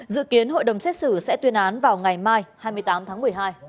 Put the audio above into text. dự kiến hội đồng xét xử sẽ tuyên án vào ngày mai hai mươi tám tháng một mươi hai